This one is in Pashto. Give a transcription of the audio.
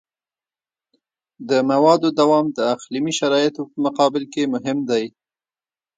د موادو دوام د اقلیمي شرایطو په مقابل کې مهم دی